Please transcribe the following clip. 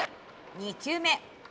２球目。